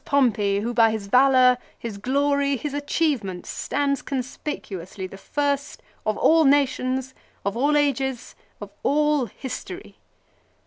Pompey who by his valour, his glory, his achievements stands conspicuously the first, of all nations, of all ages, of all history."